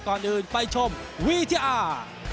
ก่อนอื่นไปชมวิทยา